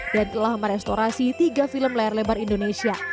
dan telah merestorasi tiga film layar lebar indonesia